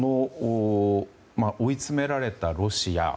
追い詰められたロシア。